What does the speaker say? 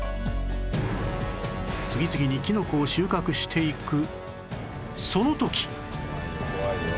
次々にキノコを収穫していくその時